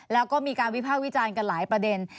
แล้วก็มีการวิภาควิจารณ์กันหลายประเด็น